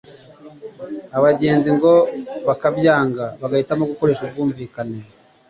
abagenzi ngo bakabyanga bagahitamo gukoresha ubwumvikane.